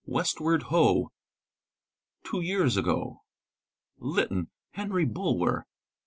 —Westward Ho!—T wo years ago. Lytton (Henry Bulwer).